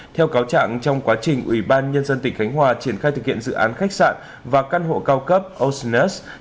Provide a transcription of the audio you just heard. theo cáo trạng trong quá trình ủy ban nhân dân tỉnh khánh hòa triển khai thực hiện dự án khách sạn và căn hộ cao cấp osnus